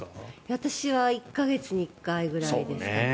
私は１か月に１回ぐらいですね。